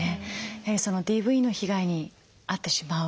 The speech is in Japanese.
やはりＤＶの被害に遭ってしまう。